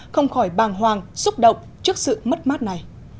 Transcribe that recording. không khỏi bàng hoàng xúc động trước sự mất mát này